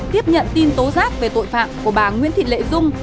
tiếp nhận tin tố giác về tội phạm của bà nguyễn thị lệ dung